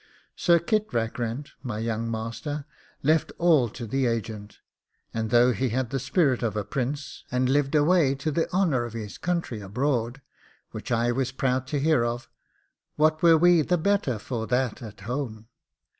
Sir Kit Rackrent, my young master, left all to the agent; and though he had the spirit of a prince, and lived away to the honour of his country abroad, which I was proud to hear of, what were we the better for that at home?